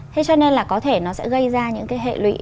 thế cho nên là có thể nó sẽ gây ra những cái hệ lụy